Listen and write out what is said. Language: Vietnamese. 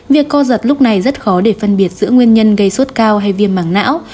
việc co giật lúc này rất khó để phân biệt giữa nguyên nhân gây sốt cao hay viêm mảng não